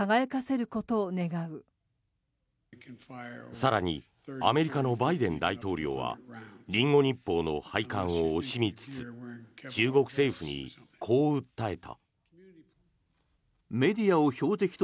更にアメリカのバイデン大統領はリンゴ日報の廃刊を惜しみつつ中国政府にこう訴えた。